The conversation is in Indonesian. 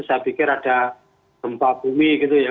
saya pikir ada gempa bumi gitu ya